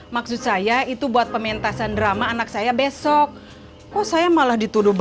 maksud saya itu buat pementasan drama anak saya besok kok saya malah dituduh